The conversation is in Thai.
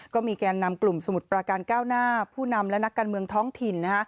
แกนนำกลุ่มสมุทรประการก้าวหน้าผู้นำและนักการเมืองท้องถิ่น